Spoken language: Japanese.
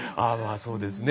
そうですね。